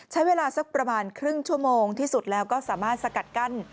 ใช้เวลาสักประมาณครึ่งชั่วโมงที่สุดแล้วก็สามารถสกัดกั้น